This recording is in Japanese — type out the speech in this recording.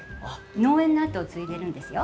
農園の後を継いでるんですよ。